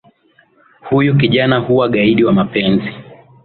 Huyu kijana huwa gaidi wa mapenzi.